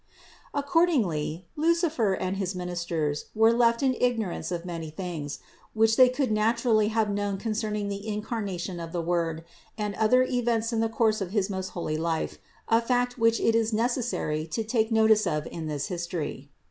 501. Accordingly Lucifer and his ministers were left in ignorance of many things, which they could naturally have known concerning the incarnation of the Word and other events in the course of his most holy life, a fact which it is necessary to take notice of in this history (Nos.